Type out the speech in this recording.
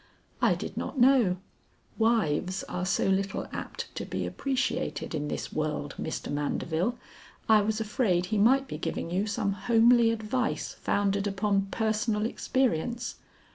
"I did not know; wives are so little apt to be appreciated in this world, Mr. Mandeville, I was afraid he might be giving you some homely advice founded upon personal experience."